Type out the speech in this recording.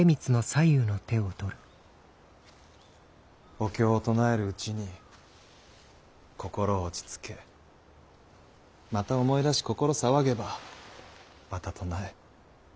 お経を唱えるうちに心を落ち着けまた思い出し心騒げばまた唱え。